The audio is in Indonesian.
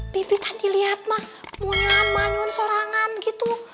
bibi tadi liat mah mau nyaman nyuruh sorangan gitu